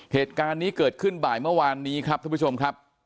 เหตุการณ์นี้เกิดขึ้นบ่ายเมื่อวานนี้ครับท่านผู้ชมครับ